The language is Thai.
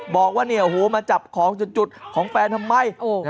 บอกว่ามาจับของจุดของแฟนทำไม